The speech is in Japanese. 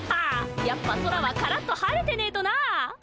やっぱ空はカラッと晴れてねえとなあ。